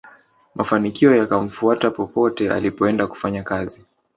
mafanikio yakamfuata popote alipoenda kufanya kazi